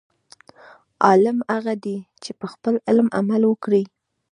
عالم هغه دی، چې په خپل علم عمل وکړي.